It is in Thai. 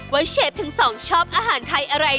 เชฟทั้งสองชอบอาหารไทยอะไร